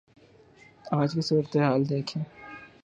آج کی صورتحال دیکھیں۔